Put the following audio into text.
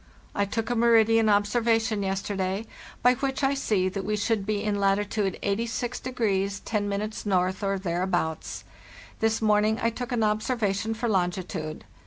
I took a meridian observation yes terday, by which I see that we should be in latitude 86 10° N,, or thereabouts.* This morning I took an observation for longitude.